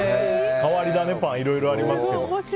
変わり種パンいろいろありますけど。